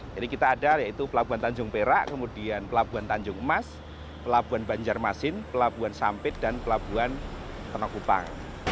jadi kita ada yaitu pelabuhan tanjung perak kemudian pelabuhan tanjung emas pelabuhan banjarmasin pelabuhan sampit dan pelabuhan tenokupang